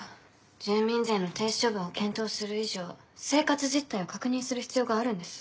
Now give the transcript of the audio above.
住民税の停止処分を検討する以上生活実態を確認する必要があるんです。